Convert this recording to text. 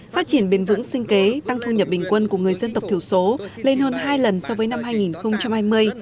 phát triển bền vững sinh kế tăng thu nhập bình quân của người dân tộc thiểu số lên hơn hai lần so với năm hai nghìn hai mươi